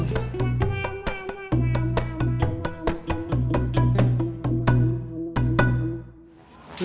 tunggu sebentar ya